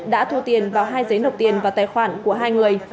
đã thu tiền vào hai giấy nộp tiền và tài khoản của hai người